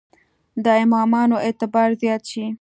د امامانو اعتبار زیات شي.